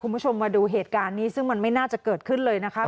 คุณผู้ชมมาดูเหตุการณ์นี้ซึ่งมันไม่น่าจะเกิดขึ้นเลยนะคะ